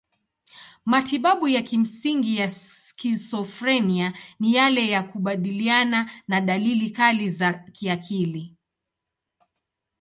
Matibabu ya kimsingi ya skizofrenia ni yale ya kukabiliana na dalili kali za kiakili.